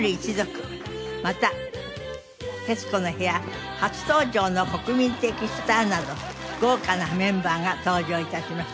また『徹子の部屋』初登場の国民的スターなど豪華なメンバーが登場致します。